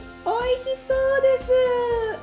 おいしそうです！